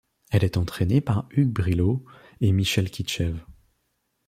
Elle est entraînée par Hugues Brilhault, et Michel Kitchev.